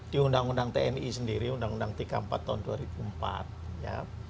di undang undang tni sendiri undang undang tiga puluh empat tahun dua ribu empat ya